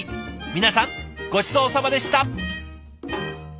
皆さんごちそうさまでした。